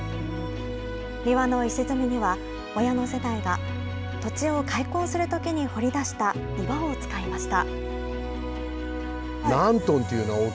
庭の石積みには、親の世代が土地を開墾するときに掘り出した岩を使いました。